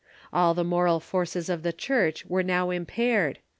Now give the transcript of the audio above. All the moral forces of the Church were now impaired.